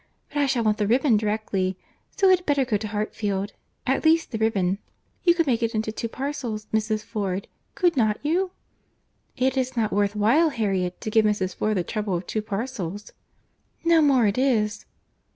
But I shall want the ribbon directly—so it had better go to Hartfield—at least the ribbon. You could make it into two parcels, Mrs. Ford, could not you?" "It is not worth while, Harriet, to give Mrs. Ford the trouble of two parcels." "No more it is."